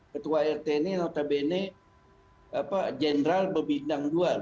ketua rt ini notabene general berbintang dua